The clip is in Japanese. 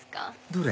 どれ？